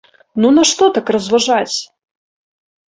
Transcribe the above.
Ну, нашто так разважаць?